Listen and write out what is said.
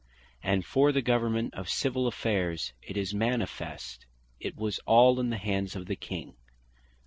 And for the Government of Civill affaires, it is manifest, it was all in the hands of the King.